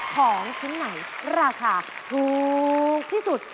ของชิ้นไหนราคาถูกที่สุด